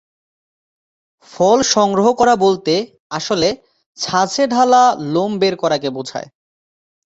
ফল সংগ্রহ করা বলতে আসলে ছাঁচে ঢালা লোম বের করাকে বোঝায়।